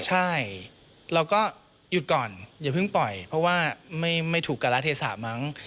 ใช่เราก็หยุดก่อนอย่าเพิ่งปล่อยเพราะว่าไม่ถูกการะเทศะมั้ง